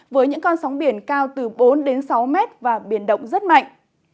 với những con sóng biển cao từ bốn đến sáu mét và biển động rất mạnh